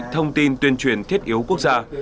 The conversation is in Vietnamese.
thông tin tuyên truyền thiết yếu quốc gia